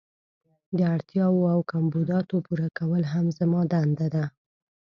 د اړتیاوو او کمبوداتو پوره کول هم زما دنده ده.